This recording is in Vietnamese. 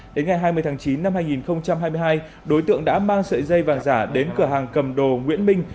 đến ngày hai mươi tháng chín năm hai nghìn hai mươi hai đối tượng đã mang sợi dây vàng giả đến cửa hàng cầm đồ nguyễn minh